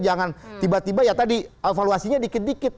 jangan tiba tiba ya tadi evaluasinya dikit dikit